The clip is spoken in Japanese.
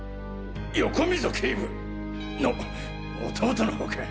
横溝警部の弟の方か？